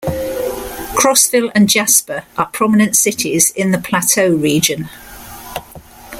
Crossville and Jasper are prominent cities in the Plateau region.